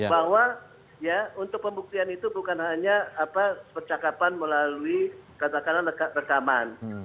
bahwa ya untuk pembuktian itu bukan hanya percakapan melalui katakanlah rekaman